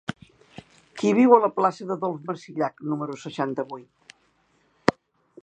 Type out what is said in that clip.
Qui viu a la plaça d'Adolf Marsillach número seixanta-vuit?